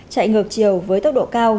chạy ngược chiều với tốc độ cao